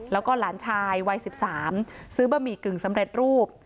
แล้วก็หลานชายวัย๑๓ซื้อบะหมี่กึ่งสำเร็จรูป